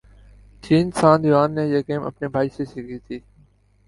چین San Yuan نے یہ game اپنے بھائی سے سیکھی تھی